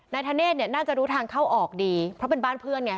ธเนธเนี่ยน่าจะรู้ทางเข้าออกดีเพราะเป็นบ้านเพื่อนไง